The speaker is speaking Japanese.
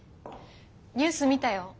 ニュース見たよ。